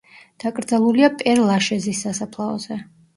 დაკრძალულია პერ-ლაშეზის სასაფლაოზე.